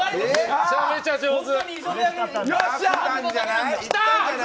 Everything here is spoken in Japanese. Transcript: めちゃめちゃ上手。